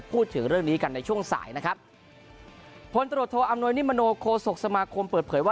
พูดถึงเรื่องนี้กันในช่วงสายนะครับพลตรวจโทอำนวยนิมโนโคศกสมาคมเปิดเผยว่า